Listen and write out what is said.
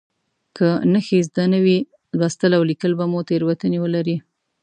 که نښې زده نه وي لوستل او لیکل به مو تېروتنې ولري.